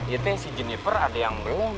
ya teh si jeniper ada yang belum